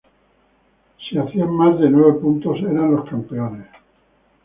Si hacían más de nueve puntos eran los campeones.